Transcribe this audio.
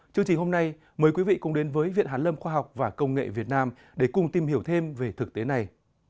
chương trình hôm nay mời quý vị cùng đến với viện hàn lâm khoa học và công nghệ việt nam để cùng tìm hiểu thêm về thực tế này